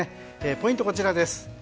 ポイント、こちらです。